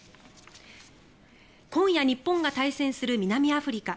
今夜日本が対戦する南アフリカ。